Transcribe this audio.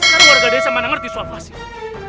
sekarang warga desa mana ngerti suap asinnya